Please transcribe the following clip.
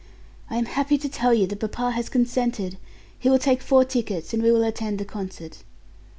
"I am happy to tell you that papa has consented. He will take four tickets and we will attend the concert."